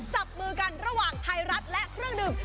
จับมือกันระหว่างไทยรัฐและเครื่องดื่ม